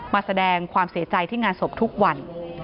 มาแสดงความเสียใจที่งานศพทุกวัน